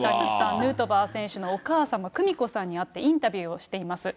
ヌートバー選手のお母様、久美子さんに会ってインタビューをしています。